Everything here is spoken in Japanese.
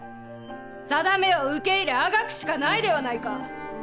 さだめを受け入れあがくしかないではないか。